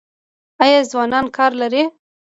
آیا ځوانان کار لري؟